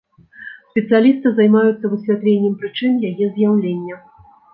Спецыялісты займаюцца высвятленнем прычын яе з'яўлення.